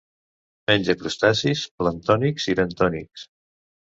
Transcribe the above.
Menja crustacis planctònics i bentònics.